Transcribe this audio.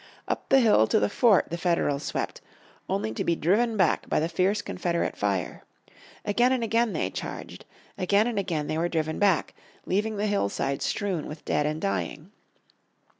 Up the hill to the fort the Federals swept, only to be driven back by the fierce Confederate fire. Again and again they charged. Again and again they were driven back, leaving the hillside strewn with dead and dying.